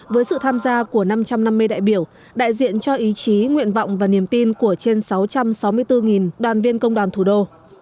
với sự tham gia của năm trăm năm mươi đại biểu đại diện cho ý chí nguyện vọng và niềm tin của trên sáu trăm sáu mươi bốn đoàn viên công đoàn thủ đô